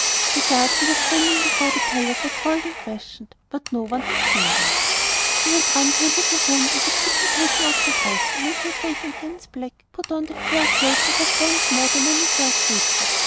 The guards who were standing before the palace were called and questioned, but no one had seen her. She had run to her little room and had quickly taken off her dress, made her face and hands black, put on the fur cloak, and was once more the Many furred Creature.